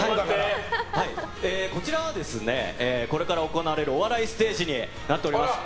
こちらはこれから行われるお笑いステージになっております。